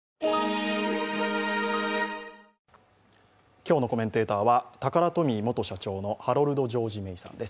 今日のコメンテーターはタカラトミー元社長のハロルド・ジョージ・メイさんです。